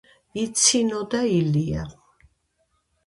იცინოდა ილია.